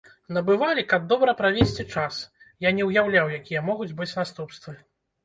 Набывалі, каб добра правесці час, я не ўяўляў, якія могуць быць наступствы.